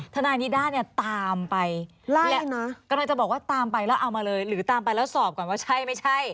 ทนายนิด้าเนี่ยตามไปกำลังจะบอกว่าตามไปแล้วเอามาเลยหรือตามไปแล้วสอบก่อนว่าใช่ไม่ใช่